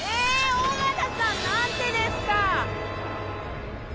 尾形さんなんでですか！